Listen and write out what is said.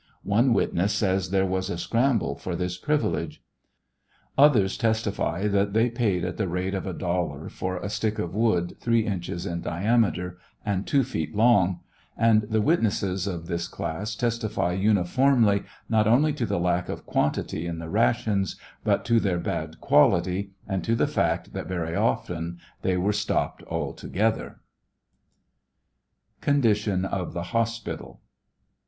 One witness says there was a scramble for this privilege. Others testify that they paid at the rate of a dollar for a stick of wood three inches in diameter and two feet long ; and the witnesses of this class testify uniformly not only to the lack of quantity in the rations, but to their bad quality, and to the fact that very often they were stopped altogether. CONDITION OF THE HOSPITAL.